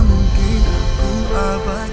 ingat ya pudewi